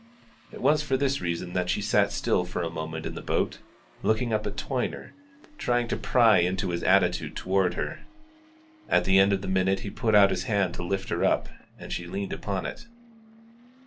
It was for this reason that she sat still for a minute in the boat, looking up at Toyner, trying to pry into his attitude toward her. At the end of the minute he put out his hand to lift her up, and she leaned upon it.